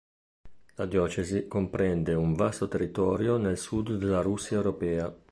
La diocesi comprende un vasto territorio nel sud della Russia europea.